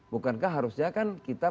bukankah harusnya kan kita